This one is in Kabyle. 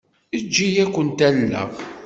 Eǧǧ-iyi ad kent-alleɣ.